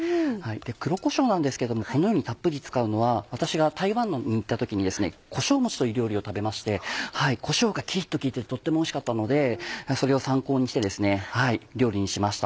黒こしょうなんですけどもこのようにたっぷり使うのは私が台湾に行った時に「こしょうもち」という料理を食べましてこしょうがキリっと効いててとってもおいしかったのでそれを参考にして料理にしました。